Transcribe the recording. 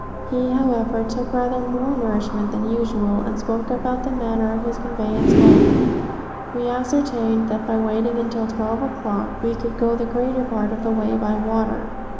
He, however, took rather more nourishment than usual, and spoke about the manner of his conveyance home. We ascertained that by waiting until twelve o'clock, we could go the greater part of the way by water.